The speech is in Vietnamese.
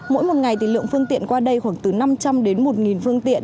mỗi một ngày thì lượng phương tiện qua đây khoảng từ năm trăm linh đến một phương tiện